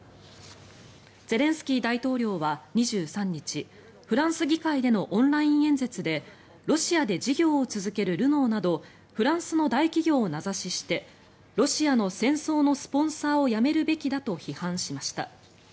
ゼレンスキー大統領は２３日フランス議会でのオンライン演説でロシアで事業を続けるルノーなどフランスの大企業を名指ししてロシアの戦争のスポンサーをやめるべきだと批判しました。